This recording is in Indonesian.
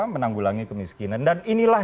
menanggulangi kemiskinan dan inilah